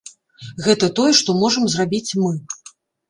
Гэта тое, што можам зрабіць мы.